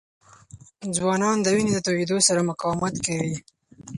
ځوانان د وینې د تویېدو سره مقاومت کوي.